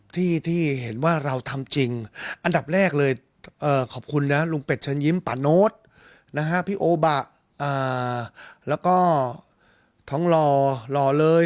พี่โอบะแล้วก็ท้องหล่อหล่อเลย